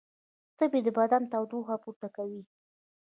تبې د بدن تودوخه پورته کوي